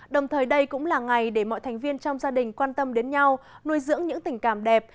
đồng thời đây cũng là ngày để mọi thành viên trong gia đình quan tâm đến nhau nuôi dưỡng những tình cảm đẹp